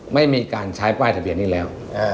ไม่มีการใช้ป้ายทะเบียนนี้แล้ว